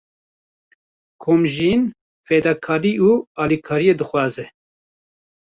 Komjiyîn, fedakarî û alîkariyê dixwaze.